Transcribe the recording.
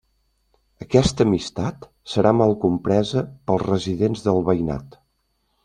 Aquesta amistat serà mal compresa pels residents del veïnat.